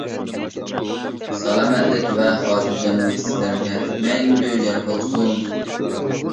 سالامەتلىك ۋە خاتىرجەملىك سىلەرگە مەڭگۈ يار بولسۇن!